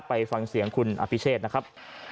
ไปฟังเสียงคุณอภิเชษนะครับ